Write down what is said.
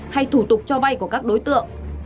hay thủ tục cho vay của các đối tượng